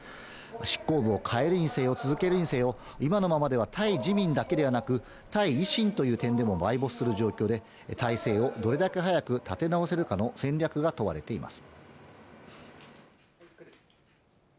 執行部を変えるにせよ続けるにせよ、今のままでは対自民だけでなく、対維新という点でも埋没する状況で、体制をどれだけ早く立て直せるかの戦略が問われています。